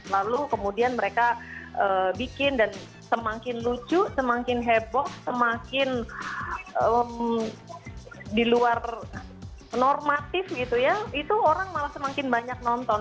lalu kemudian mereka bikin dan semakin lucu semakin heboh semakin di luar normatif gitu ya itu orang malah semakin banyak nonton